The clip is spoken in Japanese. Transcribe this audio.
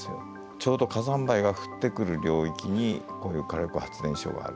ちょうど火山灰が降ってくる領域にこういう火力発電所がある。